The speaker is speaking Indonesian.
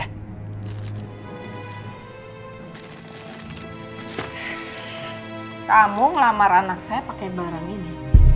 kamu ngelamar anak saya pakai barang ini